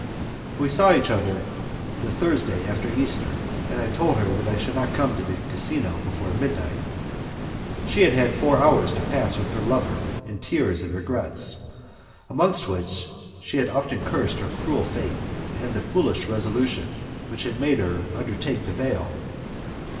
We saw each other the Thursday after Easter, and I told her that I should not come to the casino before midnight. She had had four hours to pass with her lover in tears and regrets, amongst which she had often cursed her cruel fate and the foolish resolution which made her take the veil.